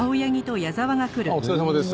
ああお疲れさまです。